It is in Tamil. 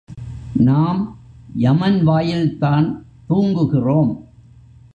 நாம் யமன் வாயில்தான் தூங்குகிறோம்.